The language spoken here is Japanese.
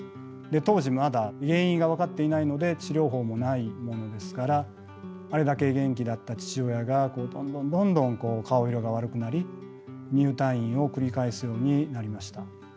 当時まだ原因が分かっていないので治療法もないものですからあれだけ元気だった父親がどんどんどんどん顔色が悪くなり入退院を繰り返すようになりました。